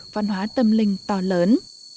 văn hóa tâm linh to lớn